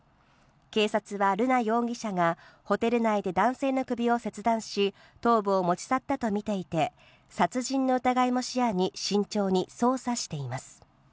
警察は瑠奈容疑者がホテル内で男性の首を切断し、頭部を持ち去ったとみていて、殺人の疑いも視野に慎重に捜査しています。